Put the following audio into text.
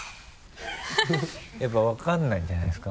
やっぱ分からないんじゃないですか？